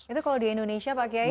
itu kalau di indonesia pak kiai